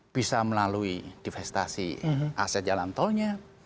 bisa melalui divestasi aset jalan tolnya